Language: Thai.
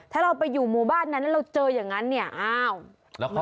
ถ้าเราไปอยู่หมู่บ้านนั้นแล้วเราเจออย่างนั้นเนี่ยอ้าวมันก็ว่าไม่ได้นะ